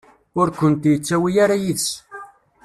Ur kent-yettawi ara yid-s.